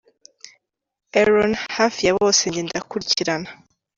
Aron : Hafi ya bose, njye ndakurikirana.